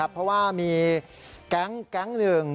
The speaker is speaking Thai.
เพราะว่ามีแก๊งหนึ่ง